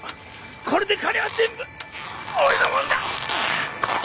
これで金は全部俺のもんだ！